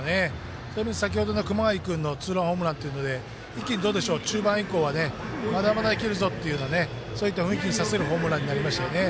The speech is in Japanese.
そういった意味では先ほどの熊谷君のツーランホームランで一気に、中盤以降はまだまだいけるぞというようなそういった雰囲気にさせるホームランになりましたよね。